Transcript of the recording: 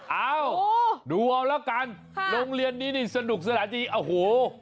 เอ้าดูเอาละกันโรงเรียนนี้นี่สนุกสนานดีโอ้โห